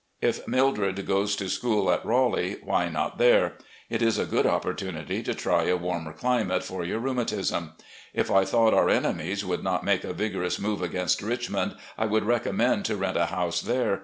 If Mildred goes to school at Raleigh, why not go there ? It is a good oppor tunity to try a warmer climate for your rheiimatism. If I thought our enemies would not make a vigorous move against Richmond, I would recommend to rent a house there.